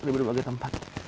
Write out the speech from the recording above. di berbagai tempat